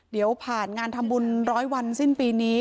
เดี๋ยวผ่านงานทำบุญร้อยวันสิ้นปีนี้